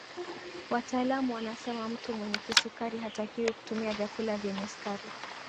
wataalamu wanasema mtu mwenye kisukari hatakiwi kutumia vyakula vyenye sukari